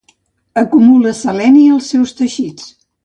Acumula seleni als seus teixits.